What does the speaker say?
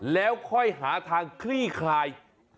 แล้วค่อยหาทางคลี่คลาย